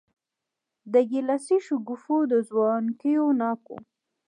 د ګیلاسي شګوفو د ځوانکیو ناکو